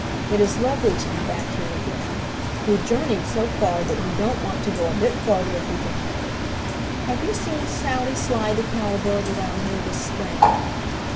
It is lovely to be back here again. We've journeyed so far that we don't want to go a bit farther if we can help it. Have you seen Sally Sly the Cowbird around here this spring?"